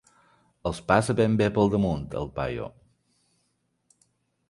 Els passa ben bé pel damunt, el paio.